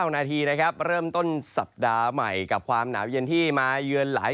นาทีนะครับเริ่มต้นสัปดาห์ใหม่กับความหนาวเย็นที่มาเยือนหลาย